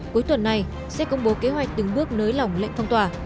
cuối tuần này sẽ công bố kế hoạch từng bước nới lỏng lệnh phong tỏa